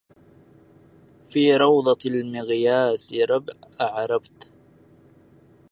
في روضة المقياس ربع أعربت